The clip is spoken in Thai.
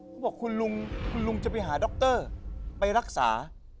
เขาบอกคุณลุงคุณลุงจะไปหาดรไปรักษา